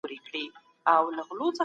دولت د ټولنې د سياست مرکز ګڼل کېږي.